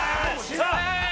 さあ！